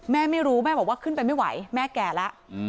แม่ไม่รู้แม่บอกว่าขึ้นไปไม่ไหวแม่แก่แล้ว